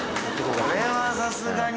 これはさすがに。